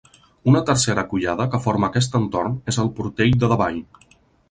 Una tercera collada que forma aquest entorn és el Portell de Davall.